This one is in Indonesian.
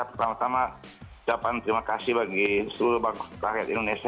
pertama tama jawaban terima kasih bagi seluruh bangsa bangsa indonesia